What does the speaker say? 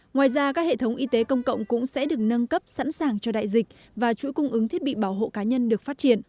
ngoài ra các hệ thống y tế công cộng cũng sẽ được nâng cấp sẵn sàng cho đại dịch và chuỗi cung ứng thiết bị bảo hộ cá nhân được phát triển